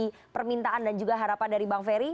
dari permintaan dan juga harapan dari bang ferry